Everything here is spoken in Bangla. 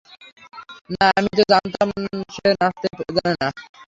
না, আমি তো জানতাম যে সে নাচতে জানেনা।